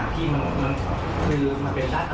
ไหนจะใช้ทุกคนเลยล่ะ